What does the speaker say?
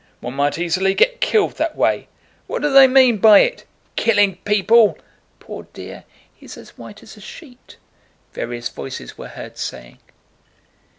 "One might easily get killed that way! What do they mean by it? Killing people! Poor dear, he's as white as a sheet!"—various voices were heard saying.